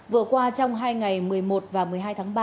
vừa qua trong hai ngày một mươi một và một mươi hai tháng ba